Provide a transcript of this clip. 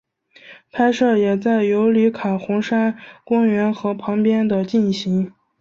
拍摄也在尤里卡红杉公园和旁边的进行。